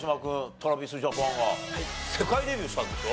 ＴｒａｖｉｓＪａｐａｎは世界デビューしたんでしょ？